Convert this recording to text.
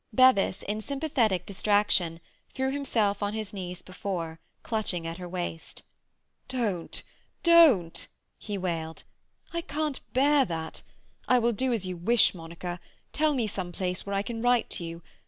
Bevis, in sympathetic distraction, threw himself on his knees before her, clutching at her waist. "Don't, don't!" he wailed. "I can't bear that! I will do as you wish, Monica. Tell me some place where I can write to you.